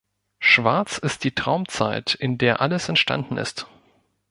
Schwarz ist die Traumzeit, in der alles entstanden ist.